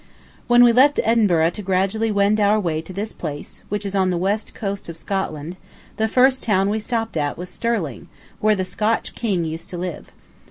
When we left Edinburgh to gradually wend our way to this place, which is on the west coast of Scotland, the first town we stopped at was Stirling, where the Scotch kings used to live.